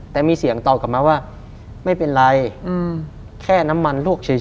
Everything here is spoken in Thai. แต่มีเสียงตอบกลับมาว่าไม่เป็นไรแค่น้ำมันลวกเฉย